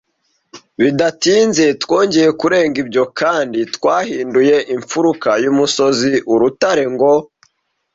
bidatinze twongeye kurenga ibyo kandi twahinduye imfuruka y'umusozi urutare ngo